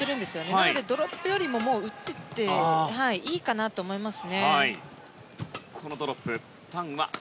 なので、ドロップよりも打っていっていいと思います。